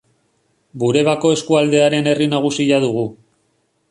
Burebako eskualdearen herri nagusia dugu.